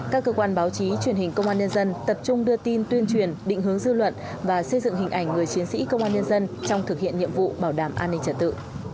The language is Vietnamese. các cơ quan báo chí truyền hình công an nhân dân tập trung đưa tin tuyên truyền định hướng dư luận và xây dựng hình ảnh người chiến sĩ công an nhân dân trong thực hiện nhiệm vụ bảo đảm an ninh trật tự